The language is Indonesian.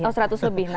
nah artinya kan masih